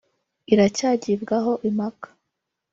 iracyagibwaho impaka